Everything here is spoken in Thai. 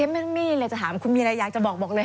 ไม่มีเลยจะถามคุณมีอะไรอยากจะบอกเลย